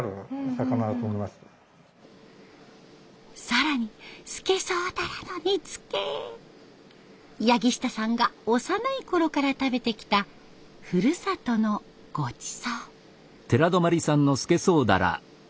更に下さんが幼いころから食べてきたふるさとのごちそう。